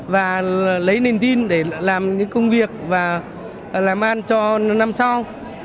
và lấy niềm tin để làm những công việc và làm ăn cho năm sau